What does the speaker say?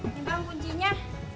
ada apa bang kuncinya